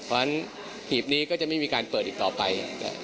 เพราะฉะนั้นหีบนี้ก็จะไม่มีการเปิดอีกต่อไป